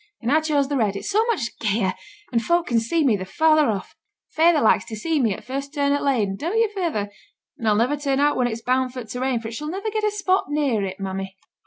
'And I chose the red; it's so much gayer, and folk can see me the farther off. Feyther likes to see me at first turn o' t' lane, don't yo', feyther? and I'll niver turn out when it's boun' for to rain, so it shall niver get a spot near it, mammy.'